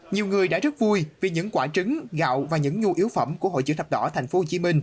nhiều người đã rất vui vì những quả trứng gạo và những nhu yếu phẩm của hội chữ thập đỏ tp hcm